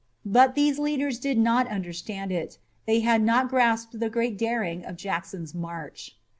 But these leaders did not understand it. They had not grasped the great daring of Jackson's march.